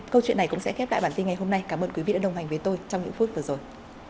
câu chuyện này cũng sẽ khép lại bản tin ngày hôm nay cảm ơn quý vị đã đồng hành với tôi trong những phút vừa rồi